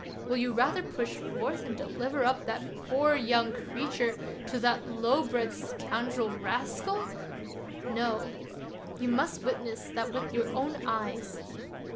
Will you rather push forth and deliver up that poor young creature to that low bred scoundrel Rascal? No; you must witness that with your own eyes.